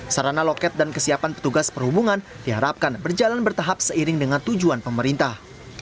sarana loket dan kesiapan petugas perhubungan diharapkan berjalan bertahap seiring dengan tujuan pemerintah